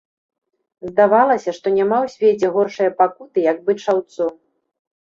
Здавалася, што няма ў свеце горшае пакуты, як быць шаўцом.